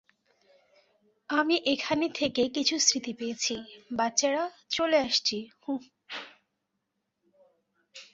আমি এখানে থেকে কিছু স্মৃতি পেয়েছি, বাচ্চারা -চলে আসছি - হুহ!